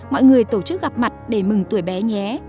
mọi người tổ chức gặp mặt để mừng tuổi bé nhé